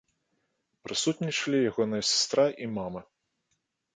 Прысутнічалі ягоныя сястра і мама.